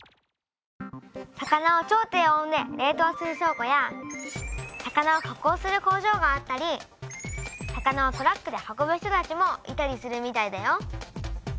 「魚を超低温で冷とうする倉庫」や「魚を加工する工場」があったり「魚をトラックで運ぶ人たち」もいたりするみたいだよ。